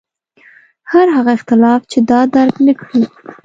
هر هغه اختلاف چې دا درک نکړي.